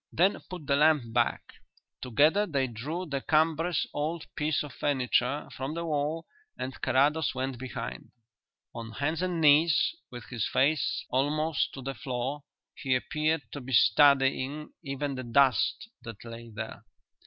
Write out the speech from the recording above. "Then put the lamp back." Together they drew the cumbrous old piece of furniture from the wall and Carrados went behind. On hands and knees, with his face almost to the floor, he appeared to be studying even the dust that lay there.